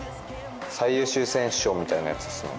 最優秀選手賞みたいなやつですね。